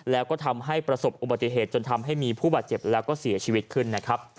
แล้วก็ทำให้ประสบอุบัติเหตุจนทำให้มีผู้บาดเจ็บแล้วก็เสียชีวิตขึ้นนะครับ